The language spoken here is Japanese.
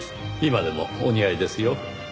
今でもお似合いですよ。